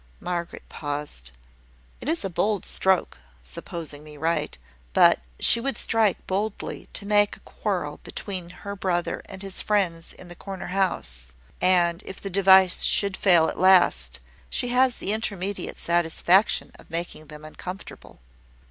Margaret paused. "It is a bold stroke (supposing me right), but she would strike boldly to make a quarrel between her brother and his friends in the corner house: and if the device should fail at last, she has the intermediate satisfaction of making them uncomfortable."